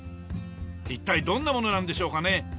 一体どんなものなんでしょうかね？